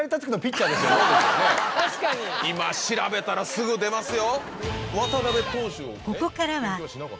今調べたらすぐ出ますよ。